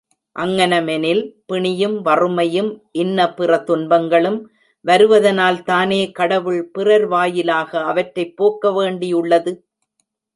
அங்ஙனமெனில், பிணியும் வறுமையும் இன்னபிற துன்பங்களும் வருவதனால்தானே கடவுள் பிறர் வாயிலாக அவற்றைப் போக்க வேண்டியுள்ளது?